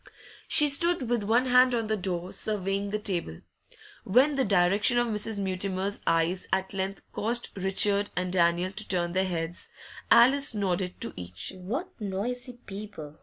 She stood with one hand on the door, surveying the table. When the direction of Mrs. Mutimer's eyes at length caused Richard and Daniel to turn their heads, Alice nodded to each. 'What noisy people!